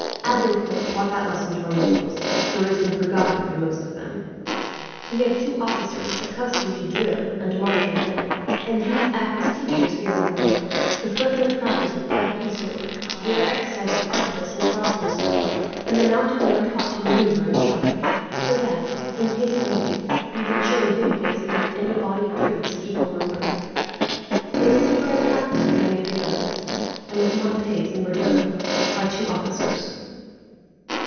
Agincourt taught that lesson to our nobles, though it has been forgotten by most of them. "We have two officers accustomed to drill and marshal men, and these act as teachers here in the hall. The footmen practise with pike and sword. They are exercised with arquebus and crossbow in the park, and the mounted men are taught to manoeuvre and charge, so that, in case of need, we can show a good face against any body of troops of equal numbers. It is here I practise with my maitre d'armes, and with Montpace and Bourdon, our two officers.